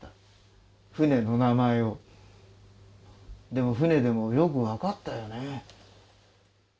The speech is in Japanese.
でも船でもよく分かったよね。